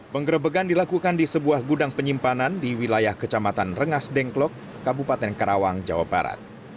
penggerebekan dilakukan di sebuah gudang penyimpanan di wilayah kecamatan rengas dengklok kabupaten karawang jawa barat